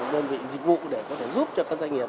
đơn vị dịch vụ để có thể giúp cho các doanh nghiệp